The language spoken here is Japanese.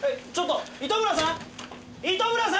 糸村さん！